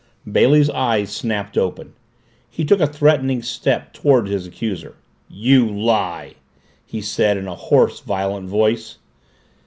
Bailey's eyes snapped open. He took a threatening step toward his accuser. "You lie!" he said in a hoarse, violent voice.